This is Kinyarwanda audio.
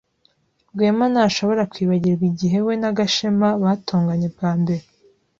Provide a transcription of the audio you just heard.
Rwema ntashobora kwibagirwa igihe we na Gashema batonganye bwa mbere.